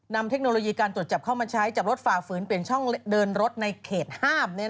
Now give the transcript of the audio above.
เทคโนโลยีการตรวจจับเข้ามาใช้จับรถฝ่าฝืนเปลี่ยนช่องเดินรถในเขตห้าม